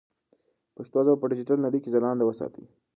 پښتو ژبه په ډیجیټل نړۍ کې ځلانده وساتئ.